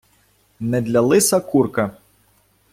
Не для лиса курка.